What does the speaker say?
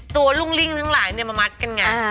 ตัวลุงริ้งทั้งหลายเนื้อมามัดกันไง